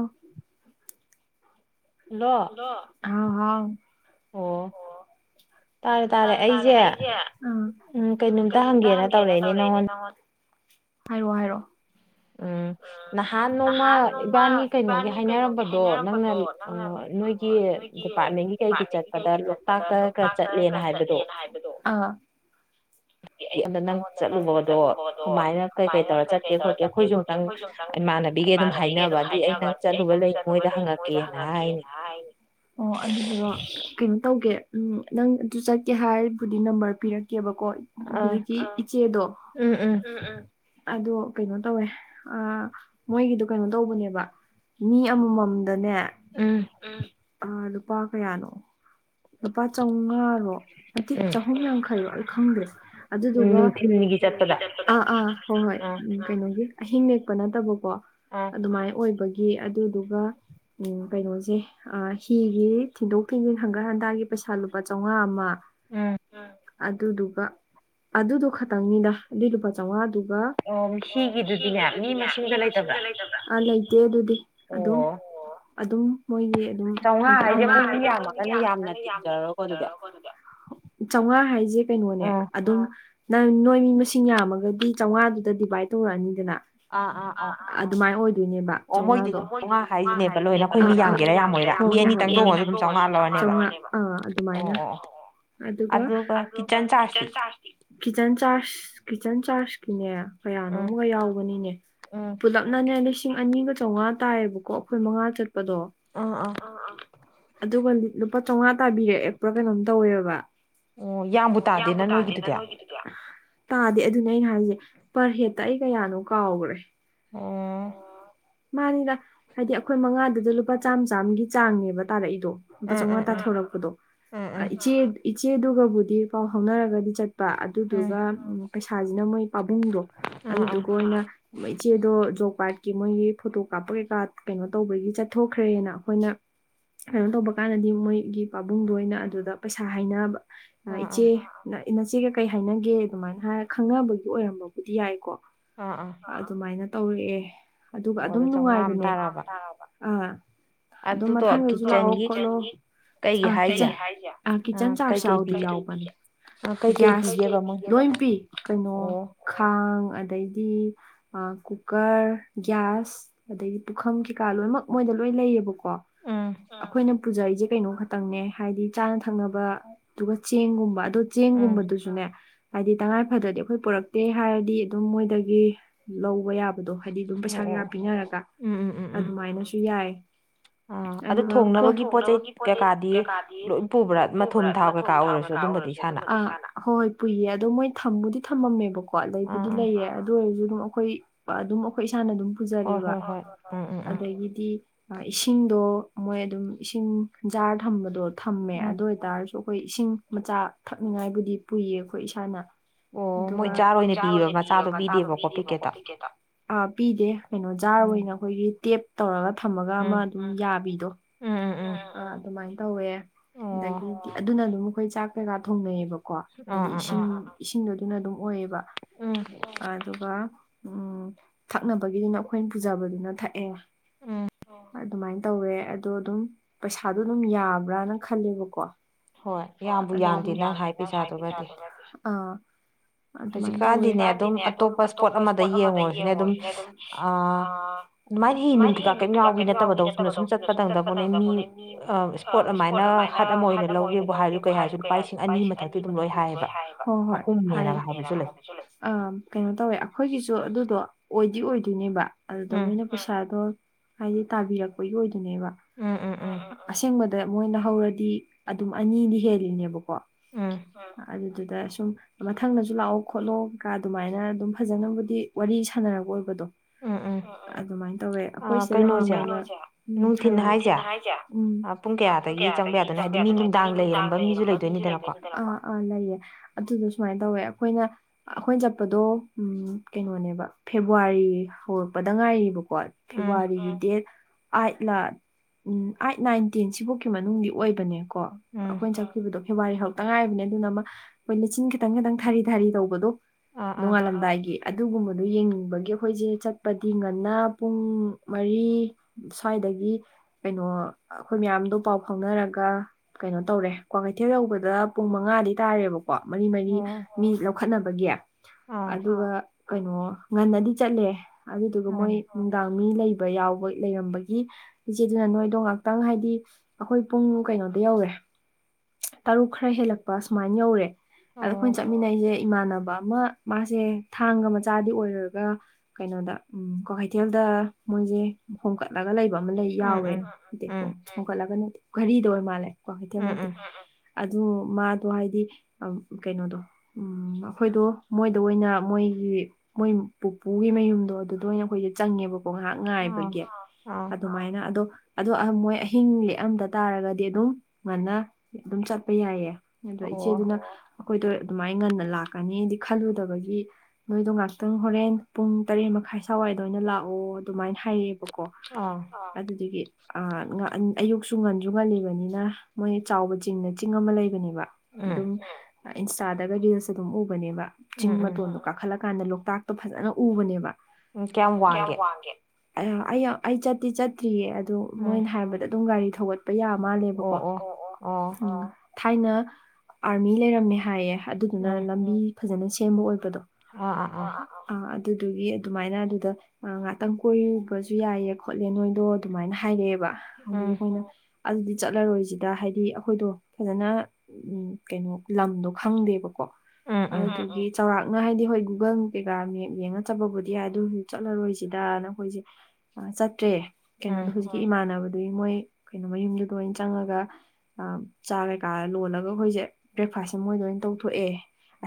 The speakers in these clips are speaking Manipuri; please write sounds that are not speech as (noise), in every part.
ꯑꯥ ꯍꯜꯂꯣ ꯍꯂꯣ ꯍꯥꯎ ꯍꯥꯎ ꯑꯣ ꯇꯥꯔꯦ ꯇꯥꯔꯦ ꯑꯩꯁꯦ ꯑ ꯎꯝ ꯀꯩꯅꯣꯝꯇ ꯍꯪꯒꯦꯅ ꯇꯧꯔꯛꯏꯅꯦ ꯅꯪꯉꯣꯟ ꯍꯥꯏꯔꯛꯑꯣ ꯍꯥꯏꯔꯛꯑꯣ ꯎꯝ ꯅꯍꯥꯟ ꯅꯣꯡꯃ ꯏꯕꯥꯅꯤ ꯀꯩꯅꯣꯒꯤ ꯍꯥꯏꯅꯔꯝꯕꯗꯣ ꯅꯪꯅ ꯑ ꯅꯣꯏꯒꯤ ꯗꯤꯄꯥꯔꯠꯃꯦꯟꯒꯤ ꯀꯩꯒꯤ ꯆꯠꯄꯗ ꯂꯣꯛꯇꯥꯛꯇ ꯒ ꯆꯠꯂꯦꯅ ꯍꯥꯏꯕꯗꯣ ꯑꯥ ꯅꯪ ꯆꯠꯂꯨꯕꯗꯣ ꯀꯃꯥꯏꯅ ꯀꯩ ꯀꯩ ꯇꯧꯔ ꯆꯠꯀꯦ ꯈꯣꯠꯀꯦ ꯑꯈꯣꯏꯁꯨ ꯑꯝꯇꯪ ꯑꯩꯈꯣꯏꯁꯨ ꯑꯝꯇꯪ ꯏꯃꯥꯟꯅꯕꯤꯒꯩ ꯑꯗꯨꯝ ꯑꯩ ꯍꯥꯏꯅꯕ ꯅꯪ ꯑꯗꯨꯗꯤ ꯑꯩ ꯆꯠꯂꯨꯕ ꯅꯪ ꯂꯩ ꯆꯠꯂꯨꯕ ꯃꯣꯏꯗ ꯂꯩ ꯃꯣꯏꯗ ꯍꯪꯉꯛꯀꯦꯅ ꯍꯥꯏꯅꯤ ꯍꯪꯉꯛꯀꯦꯅ ꯍꯥꯏꯒꯤ ꯑꯣ ꯑꯗꯨꯗꯨꯔꯣ ꯀꯩꯅꯣ ꯇꯧꯒꯦ ꯎꯝ ꯅꯪ ꯑꯗꯨ ꯆꯠꯀꯦ ꯍꯥꯏꯔꯕꯨꯗꯤ ꯅꯝꯕꯔ ꯄꯤꯔꯛꯀꯦꯕꯀꯣ ꯑꯥ ꯍꯧꯖꯤꯛꯀꯤ ꯏꯆꯦꯗꯣ ꯎꯝ ꯎꯝ ꯑꯗꯣ ꯀꯩꯅꯣ ꯇꯧꯋꯦ ꯑ ꯃꯣꯏꯒꯤꯗꯨ ꯀꯩꯅꯣ ꯇꯧꯕꯅꯦꯕ ꯃꯤ ꯑꯃꯃꯝꯗꯅꯦ ꯎꯝ ꯑꯨꯝ ꯑ ꯂꯨꯄꯥ ꯀꯌꯥꯅꯣ ꯂꯨꯄꯥ ꯆꯧꯎꯉꯥꯔꯣ ꯑꯟꯇꯤ ꯆꯍꯨꯝ ꯌꯥꯡꯈꯩꯔꯣ ꯑꯩ ꯈꯪꯗ꯭ꯔꯦ ꯎꯝ ꯑꯗꯨꯗꯨꯒ ꯅꯨꯡꯊꯤꯜꯒꯤ ꯅꯨꯡꯊꯤꯟꯒꯤ ꯆꯠꯄꯗ ꯆꯠꯄ ꯑꯥ ꯑꯥ ꯍꯣ ꯍꯣꯏ ꯑꯥ ꯀꯩꯅꯣꯒꯤ ꯑꯍꯤꯡ ꯂꯦꯛꯄ ꯅꯠꯇꯕꯀꯣ ꯑꯥ ꯑꯗꯨꯃꯥꯏꯅ ꯑꯣꯏꯕꯒꯤ ꯑꯗꯨꯗꯨꯒ ꯎꯝ ꯀꯩꯅꯣꯁꯦ ꯍꯤꯒꯤ ꯊꯤꯟꯗꯣꯛ ꯊꯤꯟꯖꯤꯟ ꯍꯟꯒꯠꯍꯟ ꯀꯥꯒꯤ ꯄꯩꯁꯥ ꯂꯨꯄꯥ ꯆꯥꯎꯉꯥ ꯑꯃ ꯎꯝ ꯑꯗꯨꯗꯨꯒ ꯑꯗꯨꯗꯣ ꯈꯇꯪꯅꯤꯗ ꯑꯗꯨꯏ ꯂꯨꯄꯥ ꯆꯥꯎꯉꯥꯗꯨꯒ ꯑꯣ ꯁꯤꯒꯤꯗꯨꯗꯤꯅꯦ ꯃꯤ ꯃꯁꯤꯡꯗ ꯂꯩꯇꯕ꯭ꯔꯥ ꯑ ꯂꯩꯇꯦ ꯑꯗꯨꯗꯤ ꯑꯗꯨꯝ ꯑꯣ ꯑꯗꯨꯝ ꯃꯣꯏꯒꯤ ꯑꯗꯨꯝ ꯆꯥꯝꯃꯉꯥ ꯍꯪꯒꯠꯍꯟꯗ ꯑꯩꯈꯣꯏ ꯆꯥꯎꯉꯥ ꯍꯥꯏꯁꯦ ꯑꯈꯣꯏ ꯃꯤ ꯌꯥꯝꯃꯒꯅ ꯌꯥꯝꯕ ꯌꯥꯝꯅ ꯇꯤꯡꯖꯔꯔꯣꯏꯀꯣ ꯑꯗꯨꯗꯤ (unintelligible) ꯆꯧꯉꯥ ꯍꯥꯏꯁꯦ ꯀꯩꯅꯣꯅꯦ ꯑꯥ ꯑꯗꯨꯝ ꯅꯪ ꯅꯣꯏ ꯃꯤ ꯃꯁꯤꯡ ꯌꯥꯝꯃꯒꯗꯤ ꯆꯧꯉꯥꯗꯨꯗ ꯗꯤꯚꯥꯏꯠ ꯇꯧꯔꯛꯑꯅꯤꯗꯅ ꯑꯥ ꯑꯣ ꯑꯥꯑꯥꯑ ꯑꯣꯀꯦ ꯑꯗꯨꯃꯥꯏꯅ ꯑꯣꯏꯗꯣꯏꯅꯦꯕ ꯑꯣ ꯃꯣꯏꯗꯤ ꯆꯧꯉꯥꯗꯣ ꯆꯥꯝꯃꯉꯥ ꯃꯣꯏꯒꯤꯗꯤ ꯃꯣꯏ ꯍꯥꯏꯁꯤꯅꯦꯕ ꯍꯥꯏꯖꯦ ꯂꯣꯏꯅ ꯑꯩꯈꯣꯏ ꯂꯣꯏꯔꯛꯄꯩ ꯃꯤ ꯌꯥꯝꯒꯦꯔꯥ ꯌꯥꯝꯃꯣꯏꯔꯥ ꯌꯥꯝ ꯍꯣꯍꯣ ꯍꯣꯏ ꯃꯤ ꯑꯅꯤꯇꯪ ꯑꯗꯨꯝ ꯇꯣꯡꯉꯁꯨ ꯆꯥꯝꯃꯉꯥ ꯆꯧꯉꯥꯅꯦꯕ ꯂꯧꯔꯅꯦꯕ ꯆꯧꯉꯥ ꯑꯥ ꯑꯣ ꯑꯗꯨꯃꯥꯏꯅ ꯑꯣ ꯑꯣꯑꯣ ꯑꯗꯨꯒ ꯑꯗꯨꯒ ꯀꯤꯠꯆꯟ ꯀꯤꯟ ꯆꯥꯔꯖꯇꯤ ꯆꯟ ꯆꯥꯔꯁ ꯀꯤꯠꯆꯟ ꯆꯥꯔꯖ ꯀꯤꯠꯆꯟ ꯆꯥꯔꯖꯀꯤꯅꯦ ꯀꯌꯥꯅꯣ ꯎꯝ ꯑꯃꯒ ꯌꯥꯎꯕꯅꯤꯅꯦ ꯎꯝ ꯄꯨꯂꯞꯅꯅꯦ ꯂꯤꯁꯤꯡ ꯑꯅꯤꯒ ꯆꯧꯉꯥ ꯇꯥꯏꯌꯦꯕꯀꯣ ꯑꯈꯣꯏ ꯃꯉꯥ ꯆꯠꯄꯗꯣ ꯑꯥ ꯑꯥ ꯑꯥꯑꯥ ꯑꯗꯨꯒ ꯂꯨꯄꯥ ꯆꯧꯉꯥ ꯇꯥꯕꯤꯔꯛꯑꯦ ꯄꯨ꯭ꯔꯥ ꯀꯩꯅꯣꯝ ꯇꯧꯋꯦꯕ ꯑꯣ ꯌꯥꯝꯕꯨ ꯇꯥꯗꯦꯅ ꯅꯣꯏꯒꯤꯗꯨꯗꯤ ꯇꯥꯗꯦ ꯑꯗꯨꯅꯦ ꯑꯩꯅ ꯍꯥꯏꯁꯦ ꯄꯔ ꯍꯦꯠꯇ ꯑꯩ ꯀꯌꯥꯅꯣ ꯀꯥꯎꯒ꯭ꯔꯦ ꯑꯣ ꯑꯣ ꯃꯥꯅꯤꯗ ꯍꯥꯏꯗꯤ ꯑꯈꯣꯏ ꯃꯉꯥꯗꯨꯗ ꯂꯨꯄꯥ ꯆꯥꯃ ꯆꯥꯝꯒꯤ ꯆꯥꯡꯅꯦꯕ ꯇꯥꯔꯛꯏꯗꯣ ꯂꯨꯄꯥ ꯎꯝ ꯆꯧꯉꯥ ꯎꯝ ꯇꯥꯊꯣꯔꯛꯄꯗꯣ ꯎꯝ ꯎꯝ ꯏꯆꯦ ꯏꯆꯦꯗꯨꯒꯕꯨꯗꯤ ꯄꯥꯎ ꯐꯥꯎꯅꯔꯒꯗꯤ ꯆꯠ ꯄ ꯎꯝ ꯑꯗꯨꯗꯨꯒ ꯄꯩꯁꯥꯁꯤꯅ ꯃꯣꯏ ꯄꯥꯕꯨꯡꯗꯣ ꯑꯥ ꯑꯥ ꯑꯗꯨꯗꯨꯒ ꯑꯣꯏꯅ ꯃꯩꯆꯦꯗꯣ ꯖꯣꯛ ꯀꯥꯔꯠꯀꯤ ꯃꯣꯏꯒꯤ ꯐꯣꯇꯣ ꯀꯥꯞꯄ ꯀꯩꯀꯥ ꯀꯩꯅꯣ ꯇꯧꯕꯒꯤ ꯆꯠꯊꯣꯛꯈ꯭ꯔꯦꯅ ꯑꯈꯣꯏꯅ ꯀꯩꯅꯣ ꯇꯧꯕ ꯀꯥꯟꯗꯗꯤ ꯃꯣꯏꯒꯤ ꯄꯥꯕꯨꯡꯗꯣ ꯑꯣꯏꯅ ꯑꯗꯨꯗ ꯄꯩꯁꯥ ꯍꯥꯏꯅꯕ ꯑ ꯑꯥ ꯑꯥ ꯏꯆꯦ ꯅ ꯅꯆꯦꯒ ꯀꯩ ꯍꯥꯏꯅꯒꯦ ꯑꯗꯨꯃꯥꯏꯅ ꯍꯥꯏ ꯈꯪꯅꯕꯒꯤ ꯑꯣꯏꯔꯝꯕꯕꯨꯗꯤ ꯌꯥꯏꯀꯣ ꯑꯥ ꯑꯥ ꯑꯗꯨꯃꯥꯏꯅ ꯇꯧꯔꯛꯑꯦ ꯑꯗꯨꯒ ꯑꯣ ꯑꯗꯨꯝ ꯑꯗꯣ ꯆꯥꯝꯃꯉꯥ ꯑꯃ ꯅꯨꯡꯉꯥꯏꯕꯅꯦ ꯇꯥꯔꯕ ꯑꯥ꯫ ꯑꯗꯨ ꯑꯗꯨꯗꯣ ꯃꯊꯪ ꯍꯧꯁꯨ ꯂꯥꯛꯑꯣ ꯀꯤꯠꯆꯟꯒꯤ ꯀꯣꯂꯣ꯫ ꯀꯩꯒꯤ ꯍꯥꯏꯁꯦ ꯑ ꯆꯟ ꯆꯁꯥ ꯀꯩꯀꯩ ꯑꯗꯤ ꯄꯤꯒꯦ ꯌꯥꯎ ꯑ ꯀꯩꯀꯩ ꯒ꯭ꯌꯥꯁ ꯄꯤꯒꯦꯕ ꯃꯣꯏꯅ ꯂꯣꯏꯅ ꯄꯤ ꯀꯩꯅꯣ ꯑꯣ ꯈꯥꯡ ꯑꯗꯩꯗꯤ ꯀꯨꯀꯔ ꯒ꯭ꯌꯥꯁ ꯑꯗꯗꯒꯤ ꯄꯨꯈꯝ ꯀꯩꯀꯥ ꯂꯣꯏꯅꯃꯛ ꯃꯣꯏꯗ ꯂꯣꯏꯅ ꯂꯩꯌꯦꯕꯀꯣ ꯎꯝ ꯑꯩꯈꯣꯏꯅ ꯄꯨꯖꯔꯛꯏꯁꯦ ꯀꯩꯅꯣ ꯈꯛꯇꯪꯅꯦ ꯍꯥꯏꯗꯤ ꯆꯥꯅ ꯊꯛꯅꯕ ꯑꯗꯨꯒ ꯆꯦꯡꯒꯨꯝꯕ ꯑꯗꯣ ꯎꯝ ꯆꯦꯡꯒꯨꯝꯕꯗꯨꯁꯨꯅꯦ ꯍꯥꯏꯗꯤ ꯇꯉꯥꯏ ꯐꯗ꯭ꯔꯗꯤ ꯑꯩꯈꯣꯏ ꯄꯨꯔꯛꯇꯦ ꯍꯥꯏꯔꯗꯤ ꯑꯗꯨꯝ ꯃꯣꯏꯗꯒꯤ ꯂꯧꯕ ꯌꯥꯕꯗꯣ ꯍꯥꯏꯗꯤ ꯑꯗꯨꯝ ꯄꯩꯁꯥ ꯑꯣ ꯑꯣ ꯀꯩꯀꯥ ꯑꯣ ꯄꯤꯅꯔꯒ ꯎꯝ ꯎꯝ ꯎꯝ ꯎꯝ ꯑꯗꯨꯃꯥꯏꯅꯁꯨ ꯌꯥꯏ꯫ ꯑꯥ ꯑꯗꯨ ꯑꯗꯨꯒ ꯊꯣꯡꯅꯕꯒꯤ ꯄꯣꯠ ꯆꯩ ꯀꯣꯟꯊꯣꯡꯅꯕꯒꯤ ꯄꯣꯠꯆꯩ ꯀꯩꯀꯥꯗꯤ ꯂꯣꯏ ꯄꯨꯕ꯭ꯔꯥ ꯃꯊꯨꯝ ꯊꯥꯎ ꯀꯩꯀꯥ ꯑꯣꯏꯔꯁꯨ ꯑ ꯍꯣꯏ ꯄꯨꯏꯌꯦ ꯑꯗꯣ ꯃꯣꯏ ꯊꯝꯕꯨꯗꯤ ꯊꯝꯃꯝꯃꯦꯕꯀꯣ ꯑꯥ ꯂꯩꯕꯨꯗꯤ ꯑꯥ ꯂꯩꯌꯦ ꯑꯗꯨ ꯑꯣꯏꯔꯁꯨ ꯑꯗꯨꯝ ꯑꯩꯈꯣꯏ ꯑꯗꯨꯝ ꯑꯩꯈꯣꯏ ꯏꯁꯥꯅ ꯑꯗꯨꯝ ꯍꯣꯏ ꯄꯨꯖꯔꯦꯕ ꯍꯣꯏ ꯍꯣꯏ ꯎꯝ ꯎꯝ ꯎꯝ ꯑꯗꯒꯤꯗꯤ ꯏꯁꯤꯡꯗꯣ ꯃꯣꯏ ꯑꯗꯨꯝ ꯏꯁꯤꯡ ꯖꯥꯔ ꯊꯝꯕꯗꯣ ꯊꯝꯃꯦ ꯎꯝ ꯑꯗꯨ ꯑꯣꯏꯇꯥꯔꯁꯨ ꯑꯩꯈꯣꯏ ꯏꯁꯤꯡ ꯃꯆꯥ ꯊꯛꯅꯤꯡꯉꯥꯏꯕꯨꯗꯤ ꯄꯨꯏꯌꯦ ꯑꯩꯈꯣꯏ ꯏꯁꯥꯅ ꯑꯣ ꯃꯣꯏ ꯖꯥꯔ ꯑꯣꯏꯅ ꯄꯤꯕ ꯃꯆꯥꯗꯣ ꯄꯤꯗꯦꯕꯀꯣ ꯄꯤꯀꯦꯠꯇ? ꯄꯤꯗꯦ ꯀꯩꯅꯣ ꯖꯥꯔ ꯎꯝ ꯑꯣꯏꯅ ꯑꯩꯈꯣꯏꯒꯤ ꯇꯦꯞ ꯇꯧꯔꯒ ꯊꯝꯃꯒ ꯑꯃ ꯎꯝ ꯑꯗꯨꯝ ꯌꯥꯕꯤꯗꯣ ꯎꯝ ꯎꯝ ꯎꯝ ꯑ ꯑꯗꯨꯃꯥꯏꯅ ꯇꯧꯋꯦ ꯑꯣ ꯑꯗꯒꯤꯗꯤ ꯑꯗꯨꯅ ꯑꯗꯨꯝ ꯑꯩꯈꯣꯏ ꯆꯥꯛ ꯀꯩꯀꯥ ꯊꯣꯡꯅꯩꯌꯦꯕꯀꯣ ꯑꯥ ꯍꯥꯏꯗꯤ ꯑꯥ ꯑꯥ ꯏꯁꯤꯡ ꯏꯁꯤꯡꯗꯣ ꯑꯗꯨꯅ ꯑꯗꯨꯝ ꯑꯣꯏꯌꯦꯕ ꯎꯝ ꯑꯗꯨꯒ ꯊꯛꯅꯕꯒꯤꯗꯨꯅ ꯑꯩꯈꯣꯏꯅ ꯄꯨꯖꯕꯗꯨꯅ ꯊꯛꯑꯦ ꯎꯝ ꯑꯗꯨꯃꯥꯏꯅ꯫ ꯇꯧꯋꯦ ꯑꯗꯣ ꯑꯗꯨꯝ ꯄꯩꯁꯥꯗꯣ ꯑꯗꯨꯝ ꯌꯥꯕ꯭ꯔꯥꯅ ꯈꯜꯂꯦꯕꯀꯣ꯫ ꯍꯣꯏ ꯌꯥꯝꯕꯨ ꯌꯥꯝꯗꯦ ꯅꯪ ꯍꯥꯏ ꯄꯁꯥꯗꯨꯒꯗꯤ꯫ ꯑꯥ ꯑꯗꯨꯃꯥꯏꯅ ꯇꯧꯋꯦ ꯍꯧꯖꯤꯛꯀꯥꯟꯗꯤꯅꯦ ꯑꯗꯨꯝ ꯑꯇꯣꯞꯄ ꯏꯁꯄꯣꯠ ꯑꯃꯗ ꯌꯦꯡꯉꯨꯔꯁꯨꯅꯦ ꯑꯗꯨꯝ ꯑꯗꯨꯝ ꯑꯥ ꯑ ꯑꯗꯨꯃꯥꯏꯅ ꯍꯤ ꯅꯨꯡ ꯀꯩꯀꯥ ꯀꯩꯝ ꯌꯥꯎꯏ ꯅꯠꯇꯕꯗꯣ ꯑ ꯆꯨꯝꯅ ꯁꯨꯝ ꯆꯠꯄꯗꯪꯗꯕꯨꯅꯦ ꯃꯤ ꯑ ꯄꯣꯠ ꯑꯃꯥꯏꯅ ꯍꯥꯠ ꯑꯃ ꯑꯣꯏꯅ ꯂꯧꯒꯦꯕꯨ ꯍꯥꯏꯔꯁꯨ ꯀꯩ ꯍꯥꯏꯔꯁꯨ ꯂꯨꯄꯥ ꯂꯤꯁꯤꯡ ꯑꯅꯤ ꯃꯊꯛꯇꯤ ꯑꯗꯨꯝ ꯂꯣꯏ ꯍꯥꯏꯌꯦꯕ꯫ ꯑꯍꯨꯝꯅꯦꯅ ꯍꯥꯏꯕꯁꯨ ꯂꯩ꯫ ꯑ ꯀꯩꯅꯣ ꯇꯧꯋꯦ ꯑꯩꯈꯣꯏꯒꯤꯁꯨ ꯑꯗꯨꯗꯣ ꯑꯣꯏꯗꯤ ꯑꯣꯏꯗꯣꯏꯅꯦꯕ ꯑꯗꯨꯗ ꯎꯝ ꯃꯣꯏꯅ ꯄꯩꯁꯥꯗꯣ ꯍꯥꯏꯗꯤ ꯇꯥꯕꯤꯔꯛꯄꯒꯤ ꯑꯣꯏꯗꯨꯏꯅꯦꯕ꯫ ꯎꯝ ꯎꯝ ꯎꯝ ꯑꯁꯦꯡꯕꯗ ꯃꯣꯏꯅ ꯍꯧꯔꯗꯤ ꯑꯗꯨꯝ ꯑꯅꯤꯗꯤ ꯍꯦꯜꯂꯤꯅꯦꯕ ꯀꯣ ꯎꯝ ꯑꯗꯨ ꯗ ꯁꯨꯝ ꯃꯊꯪꯗꯁꯨ ꯂꯥꯛꯑꯣ ꯈꯣꯠꯂꯣ ꯀ ꯑꯗꯨꯃꯥꯏꯅ ꯑꯗꯨꯝ ꯐꯖꯅꯕꯨꯗꯤ ꯋꯥꯔꯤ ꯁꯥꯟꯅꯔꯛꯕ ꯑꯣꯏꯕꯗꯣ꯫ ꯎꯝ-ꯎꯝ ꯑꯗꯨꯃꯥꯏꯅ ꯇꯧꯋꯦ ꯑꯩꯈꯣꯏ ꯁꯤꯗ ꯂꯩꯃꯤꯟꯅꯕ ꯀꯩꯅꯣꯁꯦ ꯍꯥꯏꯔꯣ ꯍꯥꯏꯔꯣ ꯇꯣꯝꯊꯤꯟ ꯍꯥꯏꯁꯦ ꯎꯝ ꯄꯨꯡ ꯀꯌꯥꯗꯒꯤ ꯆꯪꯕ ꯌꯥꯗꯣꯏꯅꯣ ꯍꯥꯏꯗꯤ ꯃꯤ ꯅꯨꯡꯗꯥꯡ ꯂꯩꯔꯝꯕ ꯃꯤꯁꯨ ꯂꯩꯗꯣꯏꯅꯤꯗꯅꯀꯣ? ꯑ, ꯂꯩꯌꯦ ꯑꯗꯨꯗꯣ ꯁꯨꯃꯥꯏꯅ ꯇꯧꯋꯦ ꯑꯩꯈꯣꯏꯅ ꯑꯩꯈꯣꯏꯅ ꯆꯠꯄꯗꯣ ꯎꯝ ꯀꯩꯅꯣꯅꯦꯕ ꯐꯦꯕꯋꯥꯔꯤ ꯍꯧꯔꯛꯄꯗ ꯉꯥꯏꯔꯤꯕꯀꯣ ꯎꯝ ꯐꯦꯕꯋꯥꯔꯤꯒꯤ ꯗꯦꯠ ꯑꯥꯏꯠ ꯂꯥ ꯎꯝ ꯑꯥꯏꯠ ꯅꯥꯏꯟ ꯇꯦꯟ ꯁꯤꯐꯧꯒꯤ ꯃꯅꯨꯡꯗꯗꯤ ꯑꯣꯏꯕꯅꯦꯀꯣ ꯎꯝ ꯑꯩꯈꯣꯏꯅ ꯈꯤꯕꯗꯣ ꯐꯦꯕꯋꯥꯔꯤ ꯍꯧꯎꯇ ꯉꯥꯏꯕꯅꯤ ꯑꯗꯨꯅ ꯑꯃ ꯑꯩꯈꯣꯏ ꯂꯩꯆꯤꯟ ꯈꯤꯇꯪ ꯈꯤꯇꯪ ꯊꯥꯔꯤ ꯊꯥꯔꯤ ꯇꯧꯕꯗꯣ ꯑꯥ ꯑꯥ ꯅꯣꯡꯉꯥꯜꯂꯝꯗꯥꯏꯒꯤ ꯑꯗꯨꯒꯨꯝꯕꯗꯨꯣ ꯌꯦꯡꯅꯤꯡ ꯅꯤꯡꯕꯒꯤ ꯑꯩꯈꯣꯏꯁꯦ ꯆꯠꯄꯗꯤ ꯉꯟꯅ ꯄꯨꯡ ꯃꯔꯤ ꯁ꯭ꯋꯥꯏꯗꯒꯤ ꯀꯩꯅꯣ ꯑꯩꯈꯣꯏ ꯃꯌꯥꯝꯗꯣ ꯄꯥꯎ ꯐꯥꯎꯅꯔꯒ ꯀꯩꯅꯣ ꯇꯧꯔꯦ ꯀ꯭ꯋꯥꯀꯩꯊꯦꯜ ꯌꯧꯕꯗ ꯄꯨꯡ ꯃꯉꯥꯗꯤ ꯇꯥꯔꯦꯕꯀꯣ꯫ ꯀꯣ ꯃꯔꯤ ꯃꯔꯤ ꯑꯣ ꯃꯤ ꯂꯧꯈꯠꯅꯕꯒꯤ ꯑꯥ ꯑꯗꯨꯒ ꯀꯩꯅꯣ ꯉꯟꯅꯗꯤ ꯆꯠꯂꯦ ꯑꯗꯨꯗꯨꯒ ꯃꯣꯏ ꯎꯝ ꯅꯨꯡꯗꯥꯡ ꯃꯤ ꯂꯩꯕ ꯌꯥꯎꯕ ꯂꯩꯔꯝꯕꯒꯤ ꯏꯆꯦꯗꯨꯅ ꯅꯣꯏꯗꯣ ꯉꯥꯏꯍꯥꯛꯇꯪ ꯍꯥꯏꯗꯤ ꯑꯩꯈꯣꯏ ꯄꯨꯡ ꯀꯩꯅꯣꯗ ꯌꯧꯔꯦ꯫ ꯇꯔꯨꯛ ꯈꯔ ꯍꯦꯜꯂꯛꯄ ꯁꯨꯃꯥꯏꯅ ꯌꯧꯔꯦ ꯑꯗ ꯑꯩꯈꯣꯏꯅ ꯑꯣ ꯆꯠꯃꯤꯟꯅꯩꯁꯦ ꯏꯃꯥꯟꯅꯕ ꯑꯃ ꯃꯥꯁꯦ ꯊꯥꯡꯒꯥ ꯃꯆꯥꯗꯤ ꯑꯣꯏꯔꯒ ꯀꯩꯅꯣꯗ ꯎꯝ ꯀ꯭ꯋꯥꯀꯩꯊꯦꯜꯗ ꯃꯣꯏꯁꯦ ꯍꯣꯝꯀꯠꯂꯒ ꯂꯩꯕ ꯑꯃ ꯂꯩ ꯎꯝ ꯌꯥꯎꯋꯦ ꯎꯝ ꯅꯠꯇꯦ ꯎꯝ ꯍꯣꯝꯀꯠꯂꯒ ꯅꯠꯇꯦ ꯘꯔꯤꯗ ꯑꯣꯏ ꯃꯥꯜꯂꯦ ꯀ꯭ꯋꯥꯀꯩꯊꯦꯜ ꯎꯝ ꯅꯠꯇꯦ ꯎꯝ ꯑꯗꯨ ꯃꯥꯗꯣ ꯍꯥꯏꯗꯤ ꯀꯩꯅꯣꯗꯣ ꯎꯝ ꯑꯩꯈꯣꯏꯗꯣ ꯃꯣꯏꯗ ꯑꯣꯏꯅ ꯃꯣꯏꯒꯤ ꯃꯣꯏ ꯄꯨꯄꯨꯒꯤ ꯃꯌꯨꯝꯗꯣ ꯑꯗꯨꯗ ꯑꯣꯏꯅ ꯑꯩꯈꯣꯏꯗ ꯆꯪꯉꯦꯕꯀꯣ ꯉꯥꯏꯍꯥꯛ ꯑꯥ ꯉꯥꯏꯕꯒꯤ ꯑꯥ ꯑꯗꯨꯃꯥꯏꯅ ꯑꯗꯣ ꯑꯗꯣ ꯃꯣꯏ ꯑꯍꯤꯡ ꯂꯦꯛꯑꯝꯗ ꯇꯥꯔꯒꯗꯤ ꯑꯗꯨꯝ ꯉꯟꯅ ꯑꯗꯨꯝ ꯆꯠꯄ ꯌꯥꯏꯌꯦ ꯑꯗ ꯑꯣ ꯏꯆꯦꯗꯨꯅ ꯑꯩꯈꯣꯏꯗꯣ ꯑꯗꯨꯃꯥꯏꯅ ꯉꯟꯅ ꯂꯥꯛꯀꯅꯤꯗꯤ ꯈꯜꯂꯨꯗꯕꯒꯤ ꯅꯣꯏꯗꯣ ꯉꯥꯛꯇꯪ ꯍꯣꯔꯦꯟ ꯄꯨꯡ ꯇꯔꯦꯠ ꯃꯈꯥꯏ ꯁꯋꯥꯏꯗ ꯑꯣꯏꯅ ꯂꯥꯛꯑꯣ ꯑꯗꯨꯃꯥꯏꯅ ꯍꯥꯏꯌꯦꯕꯀꯣ꯫ ꯑꯥ ꯑꯗꯨꯗꯒꯤ ꯑ ꯑꯌꯨꯛꯁꯨ ꯉꯟꯁꯨ ꯉꯜꯂꯤꯕꯅꯤꯅ ꯃꯣꯏ ꯆꯥꯎꯕ ꯆꯤꯡꯅ ꯆꯤꯡ ꯑꯃ ꯂꯩꯕꯅꯦꯕ ꯎꯝ ꯑꯗꯨꯝ ꯏꯟꯁꯇꯥꯗꯒ ꯔꯤꯜꯁ ꯑꯗꯨꯝ ꯎꯕꯅꯦꯕ ꯎꯝ ꯆꯤꯡ ꯎꯝ ꯃꯇꯣꯟꯗꯣ ꯀꯥꯈꯠꯂꯀꯥꯟꯗ ꯂꯣꯛꯇꯥꯛꯇꯣ ꯐꯖꯅ ꯎꯕꯅꯦꯕ ꯀꯌꯥꯝ ꯋꯥꯡꯒꯦ ꯑꯌꯥ ꯑꯩ ꯆꯠꯇꯤ ꯆꯠꯇ꯭ꯔꯤꯌꯦ ꯑꯗꯨꯗ ꯎꯝ ꯃꯣꯏꯅ ꯍꯥꯏꯕꯗ ꯑꯗꯨꯝ ꯒꯥꯔꯤ ꯊꯧꯒꯠꯄ ꯌꯥ ꯃꯥꯜꯂꯦ ꯑꯣ ꯑꯣ ꯑꯣ ꯑꯍ ꯊꯥꯏꯅ ꯑꯥꯔꯃꯤ ꯂꯩꯔꯝꯃꯦ ꯍꯥꯏꯌꯦ ꯑꯗꯨꯒꯨꯝꯕꯅ ꯎꯝ ꯂꯝꯕꯤ ꯐꯖꯅ ꯁꯦꯝꯕ ꯑꯣꯏꯕꯗꯣ ꯑꯥ ꯑꯥ ꯑ ꯑꯗꯨꯗꯨꯒꯤ ꯑꯗꯨꯃꯥꯏꯅ ꯑꯗꯨꯗ ꯑ ꯉꯥꯇꯪ ꯀꯣꯏꯔꯨꯕꯁꯨ ꯌꯥꯏꯌꯦ ꯈꯣꯠꯂꯦ ꯅꯣꯏꯗꯣ ꯑꯗꯨꯃꯥꯏꯅ ꯍꯥꯏꯔꯛꯑꯦꯕ ꯑꯗꯒꯤ ꯎꯝ ꯑꯩꯈꯣꯏꯅ ꯑꯗꯨꯗꯤ ꯆꯠꯂꯔꯣꯏꯁꯤꯗ ꯍꯥꯏꯗꯤ ꯑꯩꯈꯣꯏꯗꯣ ꯐꯖꯅ ꯎꯝ ꯀꯩꯅꯣ ꯂꯝꯗꯣ ꯈꯪꯗꯦꯕ ꯀꯣ ꯎꯝ ꯎꯝ ꯑꯗꯨꯒꯤ ꯆꯧꯔꯥꯛ__ ꯉ ꯍꯥꯏꯗꯤ ꯍꯣꯏ ꯒꯨꯒꯜ ꯀꯩꯀꯥ ꯃꯦꯞ ꯌꯦꯡꯉ ꯆꯠꯄꯕꯨꯗꯤ ꯌꯥꯏ ꯑꯗꯨꯕꯨ ꯆꯠꯂꯔꯣꯏꯁꯤꯗꯥꯅ ꯑꯈꯣꯏꯁꯦ ꯑ ꯆꯠꯇ꯭ꯔꯦ ꯎꯝ ꯀꯩꯅꯣꯗꯣ ꯍꯧꯖꯤꯛꯀꯤ ꯏꯃꯥꯟꯅꯕꯗꯨꯒꯤ ꯃꯣꯏ ꯀꯩꯅꯣ ꯃꯌꯨꯝꯗꯨꯗ ꯑꯣꯏꯅ ꯆꯪꯉꯒ ꯑ ꯆꯥ ꯀꯩꯀꯥ ꯂꯣꯜꯂꯒ ꯑꯩꯈꯣꯏꯁꯦ ꯕ꯭ꯔꯦꯛꯐꯥꯁꯁꯦ ꯃꯣꯏꯗ ꯑꯣꯏꯅ ꯇꯧꯊꯣꯛꯑꯦ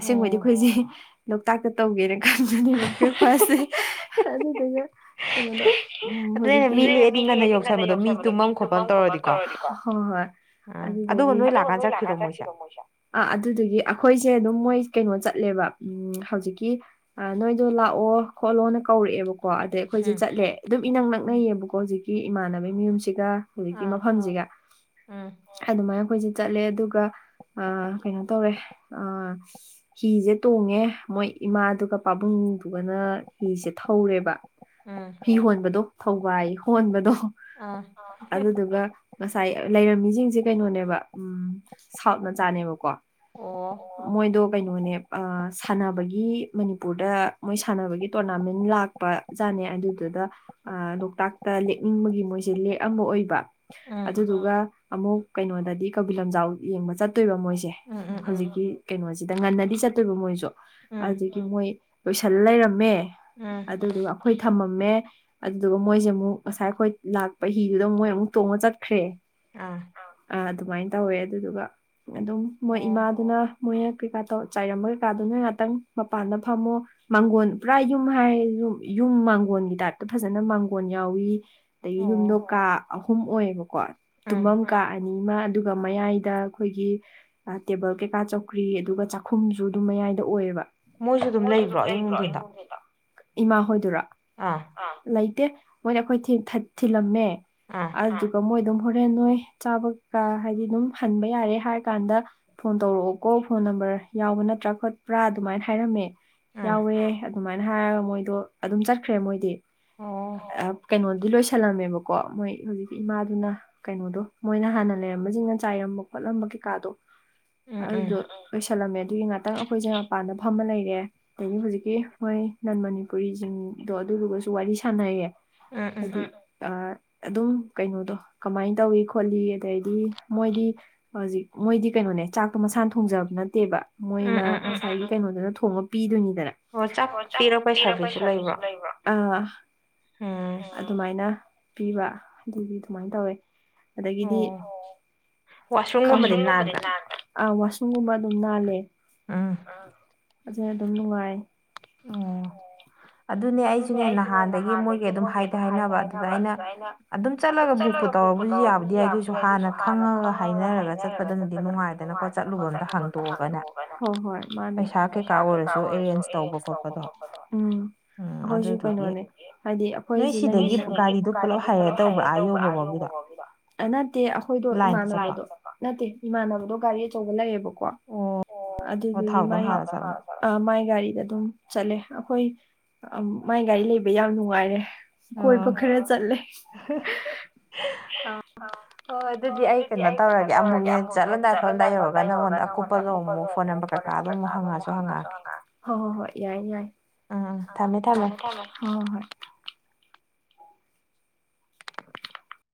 ꯑꯁꯦꯡꯕꯩꯗꯤ ꯑꯩꯈꯣꯏꯖꯦ ꯇꯥꯛꯇ ꯇꯧꯒꯦꯅ ꯈꯟꯕꯅꯦꯕ ꯕ꯭ꯔꯦꯛꯐꯥꯁꯁꯦ ꯑꯗꯨꯗꯨꯒ (unintelligible) ꯍꯧꯖꯤꯛꯀꯤ ꯅꯣꯏꯅ ꯃꯤ ꯂꯦꯛꯑꯗꯤ ꯉꯟꯅ ꯌꯧꯁꯟꯕꯗꯣ ꯃꯤ ꯇꯨꯝꯃꯝ ꯈꯣꯠꯄꯝ ꯇꯧꯔꯗꯤꯀꯣ ꯍꯣꯏ ꯍꯣꯏ ꯎꯝ ꯑꯗꯨꯗꯨꯒꯤ ꯑꯗꯨꯒ ꯂꯥꯛꯀꯥꯟ ꯅꯣꯏ ꯆꯠꯈꯤꯔꯣ ꯂꯥꯛꯑꯀꯥꯟ ꯃꯣꯏꯁꯦ ꯆꯠꯈ꯭ꯔꯤꯔꯣ ꯃꯣꯏꯁꯨ ꯑꯥ ꯑꯗꯨꯗꯨꯒꯤ ꯑꯩꯈꯣꯏꯁꯦ ꯑꯗꯨꯝ ꯃꯣꯏ ꯀꯩꯅꯣ ꯆꯠꯂꯦꯕ ꯎꯝ ꯍꯧꯖꯤꯛꯀꯤ ꯑ ꯅꯣꯏꯗꯣ ꯂꯥꯛꯑꯣ ꯈꯣꯠꯂꯣꯅ ꯀꯧꯔꯛꯑꯦꯕꯀꯣ ꯀꯣ ꯑꯗꯩ ꯑꯩꯈꯣꯏꯁꯦ ꯎꯝ ꯆꯠꯂꯦ ꯑꯗꯨꯝ ꯏꯅꯛ ꯎꯝ ꯅꯛꯅꯩꯌꯦꯕꯀꯣ ꯍꯧꯖꯤꯛꯀꯤ ꯏꯃꯥꯟꯅꯕꯩ ꯃꯌꯨꯝꯁꯤꯒ ꯍꯧꯖꯤꯛꯇꯤ ꯑꯥ ꯃꯐꯝꯁꯤꯒ ꯎꯝ ꯑꯗꯨꯃꯥꯏꯅ ꯑꯈꯣꯏꯁꯦ ꯆꯠꯂꯦ ꯑꯗꯨꯒ ꯑ ꯀꯩꯅꯣ ꯇꯧꯋꯦ ꯑ ꯍꯤꯁꯦ ꯇꯣꯡꯉꯦ ꯃꯣꯏ ꯏꯃꯥꯗꯨꯒ ꯄꯥꯕꯨꯡꯗꯨꯒꯅ ꯍꯤꯁꯦ ꯊꯧꯔꯦꯕ ꯎꯝ ꯍꯤ ꯍꯣꯟꯕꯗꯣ ꯊꯧꯕꯥꯌꯦ ꯍꯣꯟꯕꯗꯣ ꯑꯥ ꯑ ꯑꯗꯨꯗꯨꯒ ꯉꯁꯥꯏ ꯂꯩꯔꯝꯃꯤꯁꯤꯡ__ ꯖꯦ ꯀꯩꯅꯣꯅꯦꯕ ꯎꯝ ꯁꯥꯎꯠ ꯃꯆꯥꯅꯦꯕꯀꯣ ꯑꯣ ꯃꯣꯏꯗꯣ ꯀꯩꯅꯣꯅꯦ ꯑ ꯁꯥꯟꯅꯕꯒꯤ ꯃꯅꯤꯄꯨꯔꯗ ꯃꯣꯏ ꯁꯥꯟꯅꯕꯒꯤ ꯇꯣꯔꯅꯥꯃꯦꯟ ꯂꯥꯛ__ ꯄ ꯖꯥꯠꯅꯦ ꯑꯗꯨꯗꯨꯗ ꯑ ꯂꯣꯛꯇꯥꯛꯇ ꯂꯦꯛꯅꯤꯡꯕꯒꯤ ꯃꯣꯏꯁꯦ ꯂꯦꯛꯑꯝꯕ ꯑꯣꯏꯕ ꯎꯝ ꯑꯗꯨꯗꯨꯒ ꯑꯃꯨꯛ ꯀꯩꯅꯣꯗꯗꯤ ꯀꯩꯕꯨꯜ ꯂꯝꯖꯥꯎ ꯌꯦꯡꯕ ꯆꯠꯇꯣꯏꯕ ꯃꯣꯏꯁꯦ ꯎꯝ ꯎꯝ ꯎꯝ ꯍꯧꯖꯤꯛꯀꯤ ꯀꯩꯅꯣꯁꯤꯗ ꯉꯟꯅꯗꯤ ꯆꯠꯇꯣꯏꯕ ꯃꯣꯏꯁꯨ ꯎꯝ ꯃꯣꯏ ꯂꯣꯏꯁꯜꯂ ꯂꯩꯔꯝꯃꯦ ꯎꯝ ꯑꯗꯨꯗꯨꯒ ꯑꯩꯈꯣꯏ ꯊꯝꯃꯝꯃꯦ ꯑꯗꯨꯗꯨꯒ ꯃꯣꯏꯁꯦ ꯑꯃꯨꯛ ꯉꯁꯥꯏ ꯑꯩꯈꯣꯏ ꯂꯥꯛꯄ ꯍꯤꯗꯨꯗ ꯃꯣꯏ ꯑꯃꯨꯛ ꯇꯣꯡꯉ ꯆꯠꯈ꯭ꯔꯦ ꯑꯥ ꯑ ꯑꯗꯨꯃꯥꯏꯅ ꯇꯧꯋꯦ ꯑꯗꯨꯗꯨꯒ ꯑꯗꯨꯝ ꯃꯣꯏ ꯑꯣ ꯏꯃꯥꯗꯨꯅ ꯃꯣꯏꯅ ꯀꯩꯀꯥ ꯇꯧ ꯆꯥꯏꯔꯝꯕ ꯀꯩꯀꯥꯗꯨꯅ ꯅꯣꯏ ꯉꯥꯛꯇꯪ ꯃꯄꯥꯟꯗ ꯐꯝꯃꯣ ꯃꯥꯡꯒꯣꯟ ꯄꯨꯔꯥ ꯌꯨꯝ ꯍꯥꯏꯔꯦ ꯌꯨꯝ ꯌꯨꯝ ꯃꯥꯡꯒꯣꯟꯒꯤ ꯇꯥꯏꯞꯇ ꯐꯖꯅ ꯃꯥꯡꯒꯣꯟ ꯌꯥꯎꯏ ꯑꯗꯩꯏ ꯌꯨꯝꯗꯣ ꯑꯣ ꯀꯥ ꯑꯍꯨꯝ ꯑꯣꯏꯌꯦꯕꯀꯣ ꯎꯝ ꯇꯨꯝꯕꯝ__ ꯀꯥ ꯑꯅꯤꯃ ꯑꯗꯨꯒ ꯃꯌꯥꯏꯗ ꯑꯩꯈꯣꯏꯒꯤ ꯑ ꯇꯦꯕꯜ ꯀꯩꯀꯥ ꯆꯧꯀ꯭ꯔꯤ ꯑꯗꯨꯒ ꯆꯥꯛꯈꯨꯝꯁꯨ ꯑꯗꯨꯝ ꯃꯌꯥꯏꯗ ꯑꯣꯏꯌꯦꯕ ꯃꯣꯏꯁꯨ ꯑꯗꯨꯝ ꯂꯩꯕ꯭ꯔꯣ ꯑꯌꯨꯡ ꯅꯨꯡꯊꯤꯟꯗ ꯏꯃꯥ ꯍꯣꯏꯗꯨꯔꯣ ꯑꯥ ꯂꯩꯇꯦ ꯃꯣꯏꯅ ꯑꯩꯈꯣꯏ ꯊꯤꯟ ꯊꯠ ꯊꯤꯜꯂꯝꯃꯦ ꯑꯥ ꯑꯗꯨꯒ ꯃꯣꯏ ꯑꯗꯨꯝ ꯍꯣꯔꯦꯟ ꯅꯣꯏ ꯆꯥꯕ ꯀꯩꯀꯥ ꯍꯥꯏꯗꯤ ꯑꯗꯨꯝ ꯍꯟꯕ ꯌꯥꯔꯦ ꯍꯥꯏꯔ ꯀꯥꯟꯗ ꯐꯣꯟ ꯇꯧꯔꯛꯑꯣꯀꯣ ꯐꯣꯟ ꯅꯝꯕꯔ ꯌꯥꯎꯕ ꯅꯠꯇ꯭ꯔꯥ ꯈꯣꯠꯄ꯭ꯔꯥ ꯑꯗꯨꯃꯥꯏꯅ ꯍꯥꯏꯔꯝꯃꯦ ꯑꯥ ꯌꯥꯎꯋꯦ ꯑꯗꯨꯃꯥꯏꯅ ꯍꯥꯏꯔꯒ ꯃꯣꯏꯗꯣ ꯑꯗꯨꯝ ꯆꯠꯈ꯭ꯔꯦ ꯃꯣꯏꯗꯤ ꯑꯣ ꯑ ꯀꯩꯅꯣ ꯑꯗꯨ ꯂꯣꯏꯁꯜꯂꯝꯃꯦꯕꯀꯣ ꯃꯣꯏ ꯍꯧꯖꯤꯛꯀꯤ ꯏꯃꯥꯗꯨꯅ ꯀꯩꯅꯣꯗꯣ ꯃꯣꯏꯅ ꯍꯥꯟꯅ ꯂꯩꯔꯝꯕꯁꯤꯡꯅ ꯆꯥꯏꯔꯝꯕ ꯈꯣꯠꯂꯝꯕ ꯀꯩꯀꯥꯗꯣ ꯑꯗꯨꯗꯣ ꯎꯝ ꯂꯣꯏꯁꯜꯂꯝꯃꯦ ꯑꯗꯨꯒꯤ ꯉꯥꯛꯇꯪ ꯑꯩꯈꯣꯏꯁꯦ ꯃꯄꯥꯟꯗ ꯐꯝꯃ ꯂꯩꯔꯦ ꯑꯗꯒꯤ ꯍꯧꯖꯤꯛꯀꯤ ꯃꯣꯏ ꯅꯟ ꯃꯅꯤꯄꯨꯔꯤꯁꯤꯡꯗꯣ ꯑꯗꯨꯗꯨꯒꯁꯨ ꯋꯥꯔꯤ ꯁꯥꯟꯅꯩꯌꯦ ꯎꯝ ꯎꯝ ꯑꯗꯨ ꯑ ꯑꯗꯨꯝ ꯀꯩꯅꯣꯗꯣ ꯀꯃꯥꯏ ꯇꯧꯋꯤ ꯈꯣꯠ__ ꯈꯣꯠꯂꯤ ꯑꯗꯩꯗꯤ ꯃꯣꯏꯗꯤ ꯍꯧꯖꯤꯛ ꯃꯣꯏꯗꯤ ꯀꯩꯅꯣꯅꯦ ꯆꯥꯛꯇꯣ ꯃꯁꯥꯅ ꯊꯣꯡꯖꯕ ꯅꯠꯇꯦꯕ ꯎꯝ ꯃꯣꯏꯅ ꯎꯝ ꯎꯝ ꯉꯁꯥꯏꯒꯤ ꯀꯩꯅꯣꯗꯨꯅ ꯊꯣꯡꯉ ꯄꯤꯗꯣꯏꯅꯤꯗꯅ ꯑꯣ ꯆꯥꯛ ꯄꯤꯔꯛꯄꯩ ꯁꯔꯕꯤꯁꯁꯨ ꯂꯩꯕ꯭ꯔꯣ ꯑ ꯎꯝ ꯑꯗꯨꯃꯥꯏꯅ ꯄꯤꯕ ꯑꯗꯨꯒꯤ ꯑꯗꯨꯃꯥꯏꯟ ꯇꯧꯋꯦ ꯑꯗꯒꯤꯗꯤ ꯑꯣ ꯈꯪ ꯋꯥꯁ ꯋꯥꯁꯔꯨꯝꯒꯨꯝꯕꯗꯤ ꯔꯨꯝꯒꯨꯝꯕꯗꯤ ꯅꯥꯟꯕ꯭ꯔꯥ ꯅꯥꯟꯕ꯭ꯔ ꯑꯥ ꯋꯥꯁꯔꯨꯝꯒꯨꯝꯕ ꯑꯗꯨꯝ ꯅꯥꯜꯂꯦ ꯎꯝ ꯎꯝ ꯐꯖꯅ ꯑꯗꯨꯝ ꯅꯨꯡꯉꯥꯏ ꯑꯣ ꯑꯗꯨꯅꯦ ꯑꯩꯖꯨꯅꯦ ꯅꯍꯥꯟꯗꯒꯤ ꯃꯣꯏꯒꯤ ꯑꯗꯨꯝ ꯍꯥꯏꯗꯤ ꯍꯥꯏꯅꯕ ꯑꯗꯨꯗ ꯑꯩꯅ ꯑꯗꯨꯝ ꯆꯠꯂꯒ ꯕꯨꯛꯄꯨ ꯇꯧꯔꯕꯨꯗꯤ ꯌꯥꯕꯨꯗꯤ ꯌꯥꯏ ꯑꯗꯣꯏꯖꯨ ꯍꯥꯟꯅ ꯈꯪꯉꯒ ꯍꯥꯏꯅꯔꯒ ꯆꯠꯄꯗꯨꯅꯗꯤ ꯅꯨꯡꯉꯥꯏꯗꯅꯀꯣ ꯀꯩꯅꯣ ꯈꯛ ꯑꯝꯇ ꯆꯠꯂꯨꯕ ꯑꯝꯗꯥ ꯍꯥꯡꯗꯣꯛꯑꯒꯅꯦ ꯍꯪꯇꯣꯛꯑꯒꯅ ꯍꯣꯏ ꯍꯣꯏ ꯃꯥꯅꯦ ꯄꯩꯁꯥ ꯀꯩꯀꯥ ꯑꯣꯏꯔꯖꯨ ꯑꯔꯦꯟꯖ ꯇꯧꯕꯥ ꯈꯣꯠꯄꯗꯣ ꯎꯝ ꯎꯝ ꯑꯩꯈꯣꯏꯁꯨ ꯑꯗꯨꯗꯨꯒꯤ ꯀꯩꯅꯣꯅꯦ ꯍꯥꯏꯗꯤ ꯑꯩꯈꯣꯏꯁꯦ ꯅꯣꯏ ꯁꯤꯗꯥ ꯁꯤꯗꯒꯤ ꯂꯩꯃꯤꯟꯅꯕ ꯅꯣꯏ ꯁꯤꯗꯒꯤ ꯒꯥꯔꯤꯗꯣ ꯄꯨꯀꯥꯔꯤꯗꯣ ꯄꯨꯂꯞ ꯇꯧꯕ꯭ꯔꯥ ꯍꯥꯏꯌꯔ ꯇꯧꯕ꯭ꯔ ꯑꯥ ꯌꯧꯕꯐꯥꯎꯒꯤꯗꯣ ꯌꯧꯕꯕꯧꯒꯤꯗꯣ ꯑ ꯅꯠꯇꯦ ꯑꯩꯈꯣꯏꯗꯣ ꯏꯃꯥꯟꯅꯕꯗꯣ ꯂꯥꯏꯟꯗ ꯆꯠꯄ ꯅꯠꯇꯦ ꯏꯃꯥꯟꯅꯕꯗꯣ ꯒꯥꯔꯤ ꯑꯆꯧꯕ ꯂꯩꯌꯦꯕꯀꯣ ꯑꯣ ꯑꯣ ꯊꯥꯎꯗꯪ ꯍꯥꯜꯂ ꯆꯠꯂꯕ (unintelligible) ꯑ ꯃꯥꯏ ꯒꯥꯔꯤꯗ ꯑꯗꯨꯝ ꯆꯠꯂꯦ ꯑꯩꯈꯣꯏ ꯃꯥꯏ ꯒꯥꯔꯤ ꯂꯩꯕꯩ ꯌꯥꯝ ꯅꯨꯡꯉꯥꯏꯔꯦ ꯀꯣꯏꯕ ꯑꯣ ꯈꯔ ꯆꯠꯂꯦ ꯍꯣꯏ ꯍꯣꯏ ꯑꯗꯨꯗꯤ ꯑꯩ ꯀꯩꯅꯣ ꯇꯧꯔꯒꯦ ꯑꯃꯨꯛꯅꯦ ꯆꯠꯂꯝꯗꯥꯏ ꯈꯣꯂꯝꯗꯥꯏ ꯌꯧꯔꯒ ꯅꯪꯉꯣꯟꯗ ꯑꯀꯨꯞꯄꯗꯣ ꯑꯃꯨꯛ ꯐꯣꯟ ꯅꯝꯕꯔ ꯀꯩꯀꯥꯗꯣ ꯑꯃꯨꯛ ꯍꯪꯉꯖꯨ ꯍꯪꯉꯛꯑ ꯍꯣꯏ ꯍꯣꯏ ꯍꯣꯏ ꯌꯥꯏꯌꯦ ꯌꯥꯏꯌꯦ ꯎꯝ ꯎꯝ ꯊꯝꯃꯦ ꯊꯝꯃꯦ ꯍꯣ ꯍꯣ ꯍꯣꯏ (inaudible)